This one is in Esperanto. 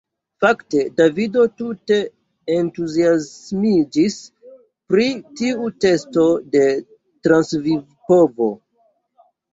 Fakte Davido tute entuziasmiĝis pri tiu testo de transvivpovo.